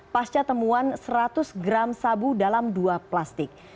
pasca temuan seratus gram sabu dalam dua plastik